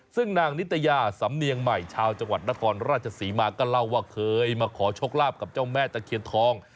ซึ่งนางนิตยาสำเนียงใหม่ชาวจังหวัดนครราชศรีมาก็เล่าว่าเคยมาขอโชคลาภกับเจ้าแม่ตะเคียนทอง